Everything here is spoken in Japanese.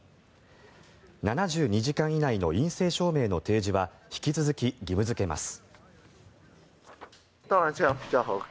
７２時間以内の陰性証明の提示は引き続き義務付けます。